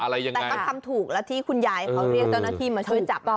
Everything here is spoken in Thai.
แต่ก็ทำถูกแล้วที่คุณยายเขาเรียกเจ้าหน้าที่มาช่วยจับ